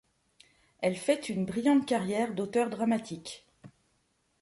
Elle fait une brillante carrière d’auteure dramatique.